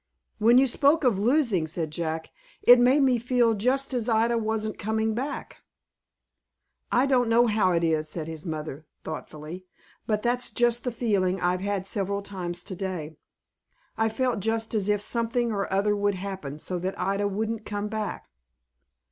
"When you spoke of losing," said Jack, "it made me feel just as Ida wasn't coming back." "I don't know how it is," said his mother, thoughtfully, "but that's just the feeling I've had several times to day. I've felt just as if something or other would happen so that Ida wouldn't come back."